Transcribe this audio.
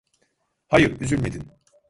Hayır, üzülmedin.